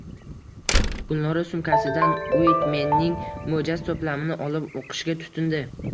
Gulnora sumkasidan Uitmenning moʼʼjaz toʼplamini olib oʼqishga tutindi.